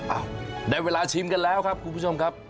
ได้เวลาชิมกันแล้วครับคุณผู้ชมครับ